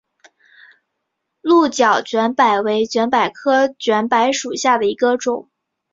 鹿角卷柏为卷柏科卷柏属下的一个种。